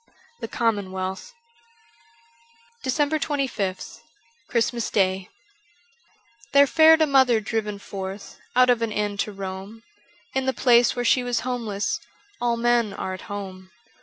' The Commomveahh. 398 DECEMBER 25th CHRISTMAS DAY THERE fared a mother driven forth Out of an inn to roam ; In the place where she was homeless All men are at home.